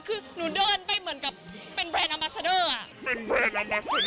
คือหนูเดินไปเหมือนกับเป็นแบรนด์อาบาซาเดอร์อ่ะ